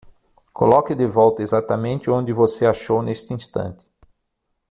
Coloque de volta exatamente onde você achou neste instante.